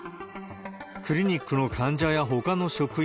クリニックの患者やほかの職員